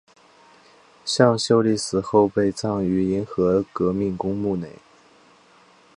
向秀丽死后被葬于银河革命公墓内。